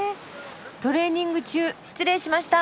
トレーニング中失礼しました。